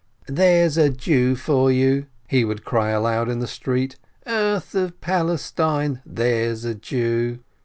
"There's a Jew for you !" he would cry aloud in the street. "Earth of Palestine ! There's a Jew